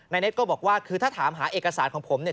เน็ตก็บอกว่าคือถ้าถามหาเอกสารของผมเนี่ย